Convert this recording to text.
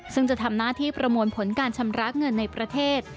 ซึ่งจะทำหน้าที่ประมวลผลการชำระเงินในประเทศ